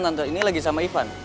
jalan tante ini lagi sama ivan